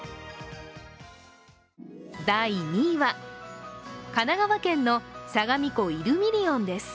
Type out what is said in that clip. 第２位は神奈川県のさがみ湖イルミリオンです。